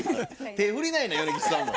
手振りないな米吉さんも。